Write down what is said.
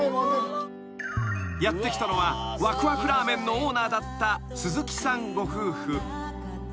［やって来たのはわくわくラーメンのオーナーだった鈴木さんご夫婦］